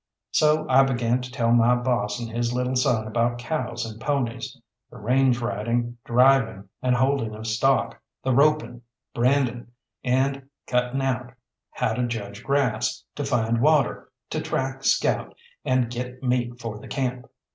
So I began to tell my boss and his little son about cows and ponies the range riding, driving, and holding of stock; the roping, branding, and cutting out; how to judge grass, to find water, to track, scout, and get meat for the camp.